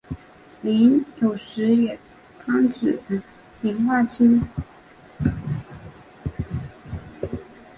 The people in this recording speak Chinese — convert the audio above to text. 膦有时也专指磷化氢。